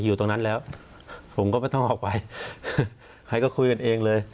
อยู่ตรงนั้นแล้วผมก็ไม่ต้องออกไปใครก็คุยกันเองเลย